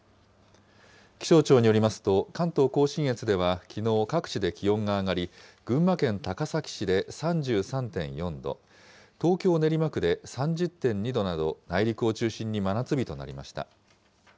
気象庁によりますと、関東甲信越ではきのう、各地で気温が上がり、群馬県高崎市で３３．４度、東京・練馬区で３０．２度など、内陸を中心に真夏日となりました。